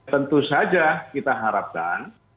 tentu saja kita harapkan